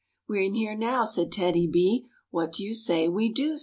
"We're in here now," said TEDDY B; " What do you say we do